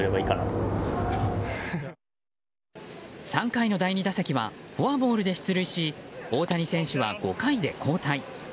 ３回の第２打席はフォアボールで出塁し大谷選手は５回で交代。